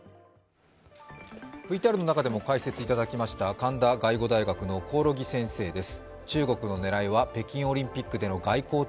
ＶＴＲの中でも解説いただきました、神田外語大学の興梠先生です。